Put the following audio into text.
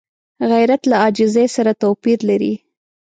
غیرت له عاجزۍ سره توپیر لري